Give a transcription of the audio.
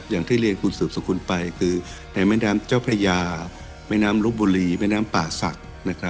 อย่างที่เรียนคุณสืบสกุลไปคือในแม่น้ำเจ้าพระยาแม่น้ำลบบุรีแม่น้ำป่าศักดิ์